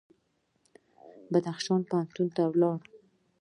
بدخشان پوهنتون ته لاړو.